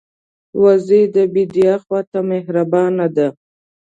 وزې د بیدیا خوا ته مهربانه ده